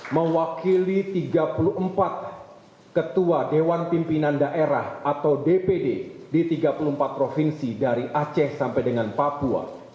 mewakili tiga puluh empat ketua dewan pimpinan daerah atau dpd di tiga puluh empat provinsi dari aceh sampai dengan papua